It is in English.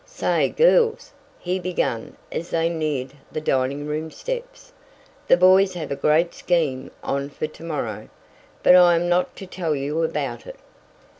"Say, girls!" he began as they neared the dining room steps, "the boys have a great scheme on for to morrow. But I am not to tell you about it."